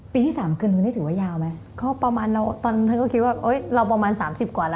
ปีที่สามคืนทุนได้ถูกว่ายาวไหม